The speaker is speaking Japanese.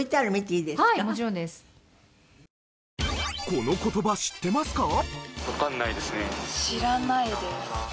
この言葉知ってますか？